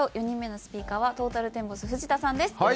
４人目のスピーカーはトータルテンボス藤田さんです。